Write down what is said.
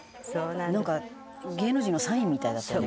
「なんか芸能人のサインみたいだったね」